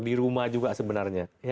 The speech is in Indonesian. di rumah juga sebenarnya